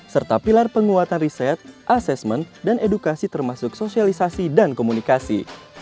serta pilar penguatan riset assessment dan edukasi termasuk sosialisasi dan komunikasi